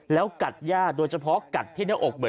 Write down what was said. แล้วกัดย่าโดยเฉพาะกัดที่หน้าอกเหมือน